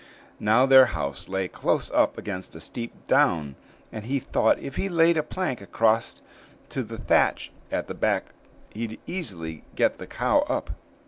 Now their house lay close up against a steep down, and he thought if he laid a plank across to the thatch at the back he'd easily get the cow up.